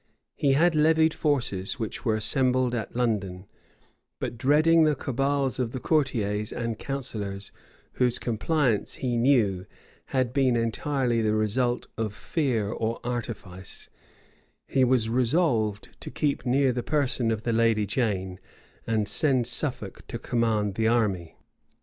He had levied forces, which were assembled at London; but dreading the cabals of the courtiers and counsellors, whose compliance, he knew, had been entirely the result of fear or artifice, he was resolved to keep near the person of the lady Jane, and send Suffolk to command the army.